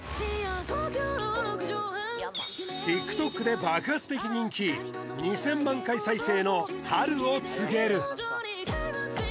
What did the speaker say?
ＴｉｋＴｏｋで爆発的人気２０００万回再生の「春を告げる」